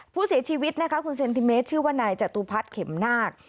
ผู้เสียชีวิตนะคะคุณเซนติเมตรชื่อว่านายจตุพัฒน์เข็มนาค